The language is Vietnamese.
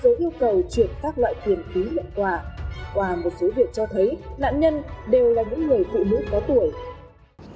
quà một số việc cho thấy nạn nhân đều là những người phụ nữ có tuổi